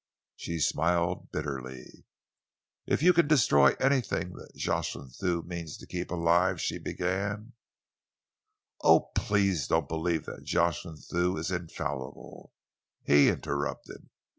She smiled bitterly. "If you can destroy anything that Jocelyn Thew means to keep alive," she began "Oh, please don't believe that Jocelyn Thew is infallible," he interrupted.